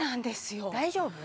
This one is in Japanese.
大丈夫？